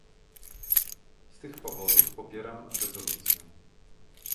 Z tych powodów popieram rezolucję